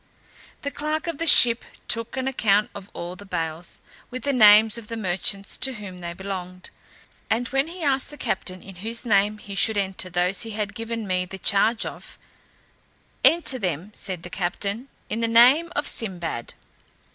The clerk of the ship took an account of all the bales, with the names of the merchants to whom they belonged. And when he asked the captain in whose name he should enter those he had given me the charge of; "Enter them," said the captain, "in the name of Sinbad."